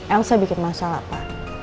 elsa bikin masalah pak